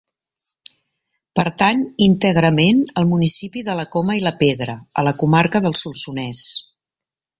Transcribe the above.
Pertany íntegrament al municipi de la Coma i la Pedra, a la comarca del Solsonès.